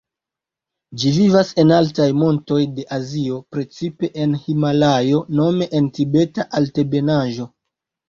Ĝi vivas en altaj montoj de Azio, precipe en Himalajo, nome en Tibeta Altebenaĵo.